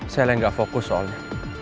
saya yang gak fokus soalnya